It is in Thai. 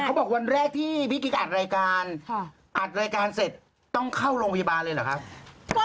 วันแรกที่พี่กิ๊กอัดรายการอัดรายการเสร็จต้องเข้าโรงพยาบาลเลยเหรอครับ